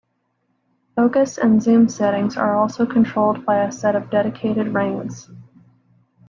Focus and Zoom settings are also controlled by a set of dedicated rings.